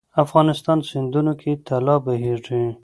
افغانستان سیندونو کې طلا بهیږي